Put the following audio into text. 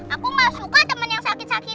aku gak suka temen yang sakit sakit